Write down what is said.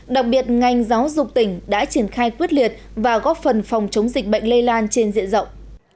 đặc biệt ngành giáo dục tỉnh đã triển khai quyết liệt và góp phần phòng chống dịch bệnh lây lan trên diện rộng